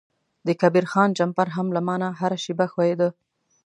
د کبیر خان جمپر هم له ما نه هره شیبه ښویده.